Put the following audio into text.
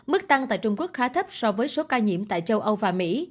mức tăng tại trung quốc khá thấp so với số ca nhiễm tại châu âu và mỹ